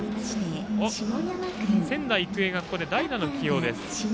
仙台育英がここで代打の起用です。